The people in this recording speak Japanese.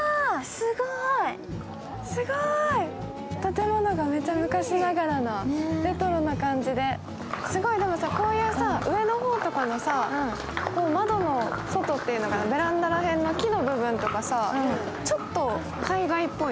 建物が昔ながらのレトロな感じで、すごい、こういう上の方の窓の外っていうのかベランダら辺の木の部分が、ちょっと海外っぽい。